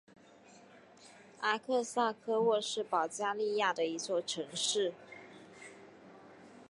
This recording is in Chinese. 阿克萨科沃是保加利亚的一座城市。